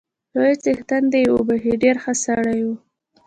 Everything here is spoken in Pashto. لوی څښتن دې يې وبخښي، ډېر ښه سړی وو